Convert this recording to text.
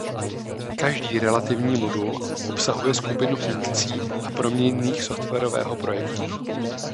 Každý relativní modul obsahuje skupinu funkcí a proměnných softwarového projektu.